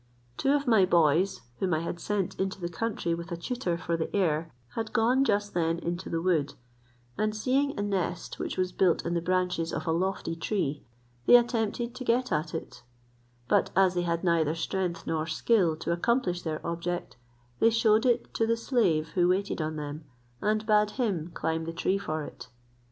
Two of my boys, whom I had sent into the country, with a tutor, for the air, had gone just then into the wood, and seeing a nest which was built in the branches of a lofty tree, they attempted to get at it; but as they had neither strength nor skill to accomplish their object, they shewed it to the slave who waited on them, and bade him climb the tree for it.